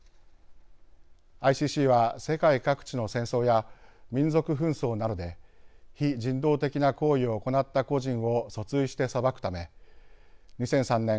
ＩＣＣは世界各地の戦争や民族紛争などで非人道的な行為を行った個人を訴追して裁くため２００３年